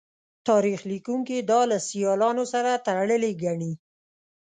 تاریخ لیکوونکي دا له سیالانو سره تړلې ګڼي